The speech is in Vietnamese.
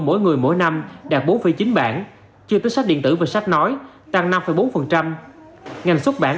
mỗi người mỗi năm đạt bốn chín bản chưa tính sách điện tử và sách nói tăng năm bốn ngành xuất bản